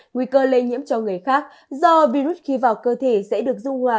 nguy cơ lây nhiễm cho người khác do virus khi vào cơ thể sẽ được dung hòa